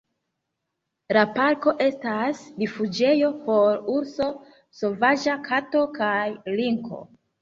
La parko estas rifuĝejo por urso, sovaĝa kato kaj linko.